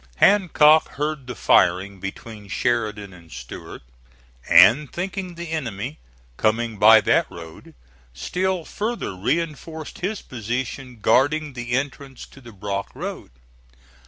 Hancock heard the firing between Sheridan and Stuart, and thinking the enemy coming by that road, still further reinforced his position guarding the entrance to the Brock Road.